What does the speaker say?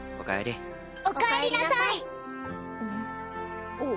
おおかえりなさい。